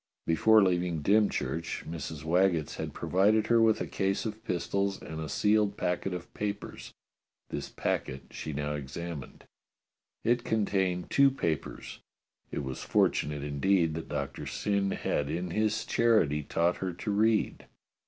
Before leaving Dymchurch, Mrs. Waggetts had pro vided her with a case of pistols and a sealed packet of papers. This packet she now examined. It contained two papers. It was fortunate, indeed, that Doctor Syn had in his charity taught her to read